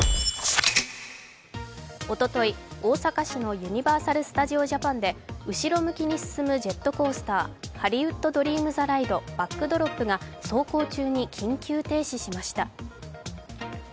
おととい、大阪市のユニバーサル・スタジオ・ジャパンで後ろ向きに進むジェットコースターハリウッド・ドリーム・ザ・ライドバックドロップが走行中に緊急停止しました。